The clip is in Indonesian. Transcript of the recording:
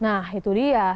nah itu dia